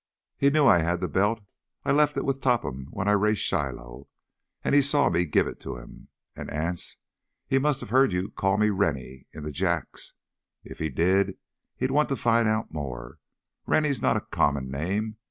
"He knew I had the belt. I left it with Topham when I raced Shiloh, and he saw me give it to him. And, Anse, he must have heard you call me 'Rennie' in the Jacks! If he did, he'd want to find out more—Rennie's not a common name.